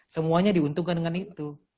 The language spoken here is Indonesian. semuanya diuntungkan dengan itu